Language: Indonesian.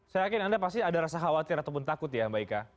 saya yakin anda pasti ada rasa khawatir ataupun takut ya mbak ika